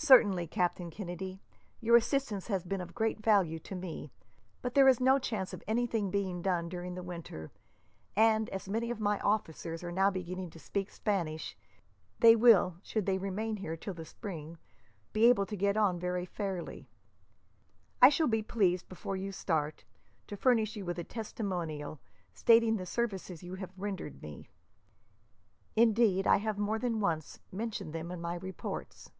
"Certainly, Captain Kennedy. Your assistance has been of great value to me, but there is no chance of anything being done during the winter; and, as many of my officers are now beginning to speak Spanish, they will, should they remain here till the spring, be able to get on very fairly. I shall be pleased, before you start, to furnish you with a testimonial stating the services you have rendered me. Indeed, I have, more than once, mentioned them in my reports."